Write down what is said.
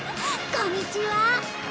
こんにちは。